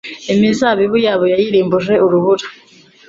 Imizabibu yabo yayirimbuje urubura